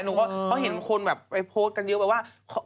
หนูก็เห็นคนไปโพสต์กันเยอะไปว่า